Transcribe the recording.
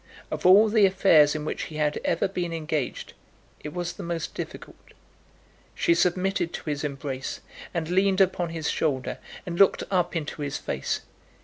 Of all the affairs in which he had ever been engaged, it was the most difficult. She submitted to his embrace, and leaned upon his shoulder, and looked up into his face.